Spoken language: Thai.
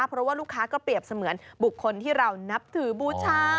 เพราะว่าลูกค้าก็เปรียบเสมือนบุคคลที่เรานับถือบูชา